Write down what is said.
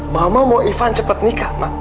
mama mau ivan cepet nikah ma